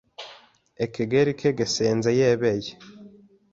Ekegeli ke Gesenze yebeye